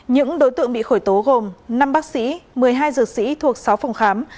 những đối tượng bị khởi tố gồm năm bác sĩ một mươi hai dược sĩ thuộc sáu phòng khám